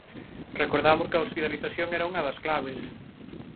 Recordamos que a hospitalización era unha das claves.